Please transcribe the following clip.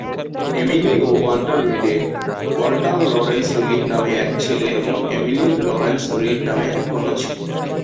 Emily ও Walter রিডের Walter Lawrence Reed নামে এক ছেলে এবং এমিলি লরেন্স রিড নামে এক কন্যা ছিল।